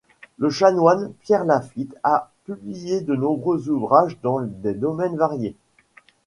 Le chanoine Pierre Lafitte a publié de nombreux ouvrages dans des domaines variés.